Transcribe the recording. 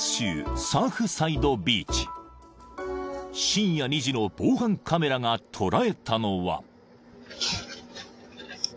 ［深夜２時の防犯カメラが捉えたのは］